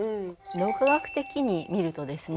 脳科学的に見るとですね